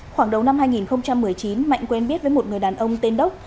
khoảng đầu năm hai nghìn một mươi chín mạnh quen biết với một người đàn ông tên đốc